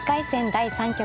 第３局。